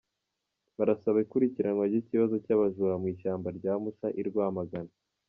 Barasaba ikurikiranwa ry’ikibazo cy’abajura mu ishyamba rya Musha i Rwamagana.